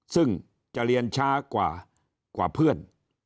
ซึ่งจะเรียนช้ากว่าเพื่อน